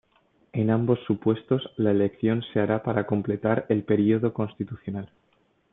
En ambos supuestos, la elección se hará para completar el período constitucional.